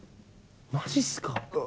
マジっすか？